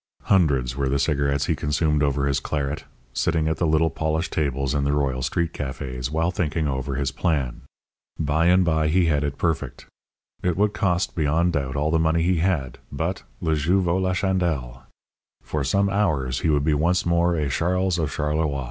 Hundreds were the cigarettes he consumed over his claret, sitting at the little polished tables in the Royal street cafés while thinking over his plan. By and by he had it perfect. It would cost, beyond doubt, all the money he had, but le jeu vaut la chandelle for some hours he would be once more a Charles of Charleroi.